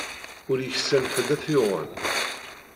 Ur yeksan ḥedd ay t-yuɣen.